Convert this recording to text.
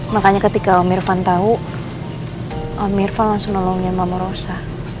makanya ketika om irfan tau om irfan langsung nolongin mama rosa